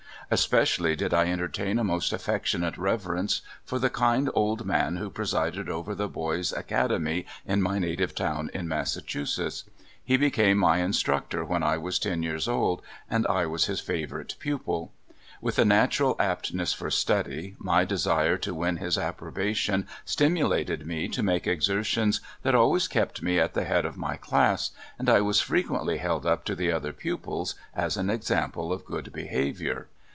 Especially J id I enter tain a most affectionate reverence for the kind old man avIio presided over the boys' academy in my native town in Massachusetts. He became my instructor wlien I was ten years old, and I was his favorite pupil. With a natural aptness for study, my desire to win his approbation stimulated me to make exertions that always kept me at the head of my class, and I was frequently held up to the other pujoils as an example of good behavior.